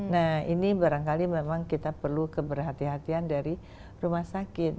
nah ini barangkali memang kita perlu keberhatian dari rumah sakit